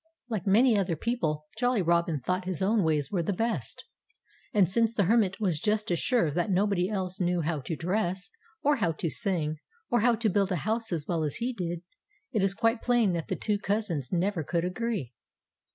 Like many other people Jolly Robin thought his own ways were the best. And since the Hermit was just as sure that nobody else knew how to dress, or how to sing, or how to build a house as well as he did, it is quite plain that the two cousins never could agree.